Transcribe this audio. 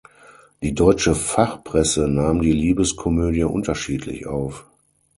Die deutsche Fachpresse nahm die Liebeskomödie unterschiedlich auf.